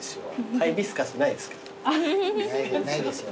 ハイビスカスないですか？